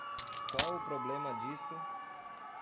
Qual o problema disto